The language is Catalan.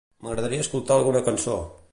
M'agradaria escoltar alguna cançó.